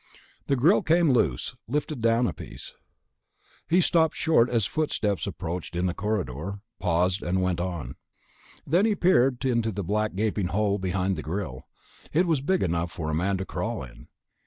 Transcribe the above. The grill came loose, lifted down in a piece. He stopped short as footsteps approached in the corridor, paused, and went on. Then he peered into the black gaping hole behind the grill. It was big enough for a man to crawl in.